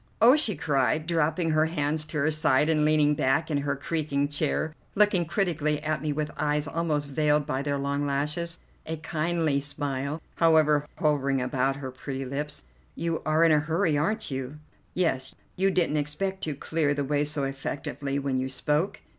"Oh!" she cried, dropping her hands to her side and leaning back in her creaking chair, looking critically at me with eyes almost veiled by their long lashes, a kindly smile, however, hovering about her pretty lips. "You are in a hurry, aren't you?" "Yes, you didn't expect to clear the way so effectively when you spoke?"